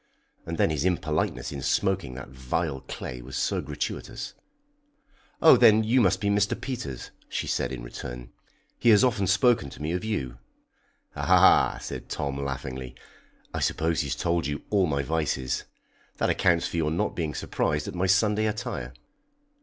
And then his impoliteness in smoking that vile clay was so gratuitous. "Oh, then you must be Mr. Peters," she said in return. "He has often spoken to me of you." "Ah!" said Tom laughingly, "I suppose he's told you all my vices. That accounts for your not being surprised at my Sunday attire."